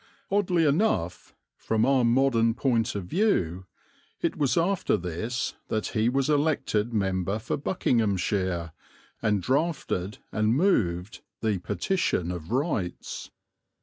Oddly enough, from our modern point of view, it was after this that he was elected member for Buckinghamshire, and drafted and moved the Petition of Rights.